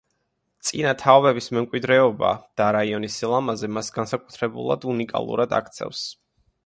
წინა თაობების მემკვიდრეობა და რაიონის სილამაზე მას განსაკუთრებულად უნიკალურად აქცევს.